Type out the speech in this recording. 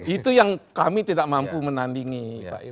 itu yang kami tidak mampu menandingi pak irfan